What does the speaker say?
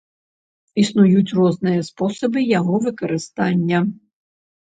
Існуюць розныя спосабы яго выкарыстання.